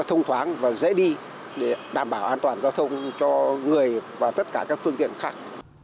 thông thoáng và dễ đi để đảm bảo an toàn giao thông cho người và tất cả các phương tiện khác